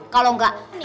kalau enggak nafas